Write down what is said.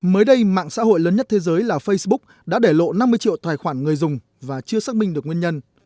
mới đây mạng xã hội lớn nhất thế giới là facebook đã để lộ năm mươi triệu tài khoản người dùng và chưa xác minh được nguyên nhân